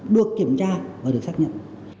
được kiểm tra và được xác nhận